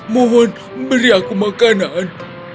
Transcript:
mohon beri aku makanan